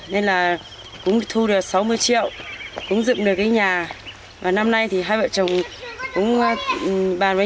nên là cũng thu được sáu mươi triệu cũng dựng được cái nhà và năm nay thì hai vợ chồng cũng bàn với